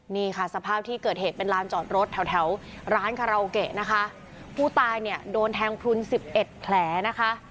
นี่ค่ะสภาพที่เกิดเหตุเป็นลานจอดรถแถวแถวร้านคาราโอเกะนะคะผู้ตายเนี่ยโดนแทงพลุนสิบเอ็ดแผลนะคะ